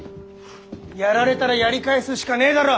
やられたらやり返すしかねえだろう？